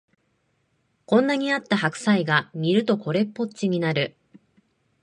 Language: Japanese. こんなにあった白菜が煮るとこれっぽっちになる